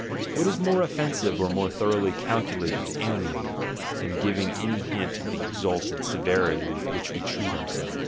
... What is more offensive or more thoroughly calculated to alienate, than giving any hint of the exalted severity with which we treat ourselves?